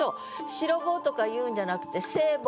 「白帽」とか言うんじゃなくて「制帽」。